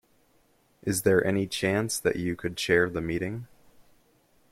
Is there any chance that you could chair the meeting?